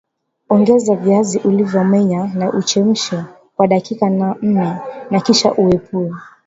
Ongeza viazi ulivyomenya na uchemshe kwa dakika nne na kisha uepue